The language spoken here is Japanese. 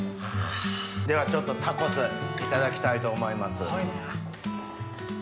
ではちょっとタコスいただきたいと思います。